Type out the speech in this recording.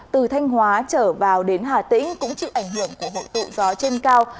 từ thanh hóa trở vào đến hà tĩnh cũng chịu ảnh hưởng của hội tụ gió trên cao